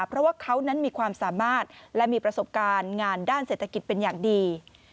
เพราะว่าเขานั้นมีความสามารถและมีประสบการณ์งานด้านเศรษฐกิจเป็นอย่างดี